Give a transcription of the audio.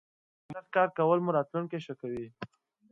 سخت کار کولو مو راتلوونکی ښه کوي.